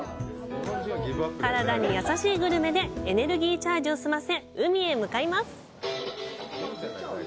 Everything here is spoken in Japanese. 体に優しいグルメでエネルギーチャージを済ませ海へ向かいます。